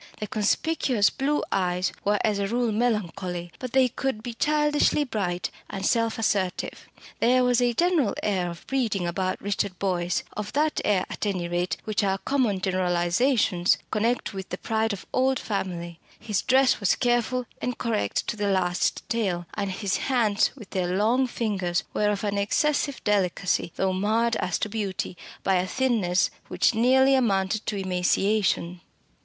The conspicuous blue eyes were as a rule melancholy; but they could be childishly bright and self assertive. There was a general air of breeding about Richard Boyce, of that air at any rate which our common generalisations connect with the pride of old family; his dress was careful and correct to the last detail; and his hands with their long fingers were of an excessive delicacy, though marred as to beauty by a thinness which nearly amounted to emaciation.